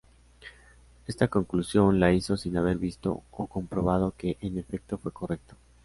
Esta conclusión la hizo sin haber visto o comprobado que en efecto fue correcto.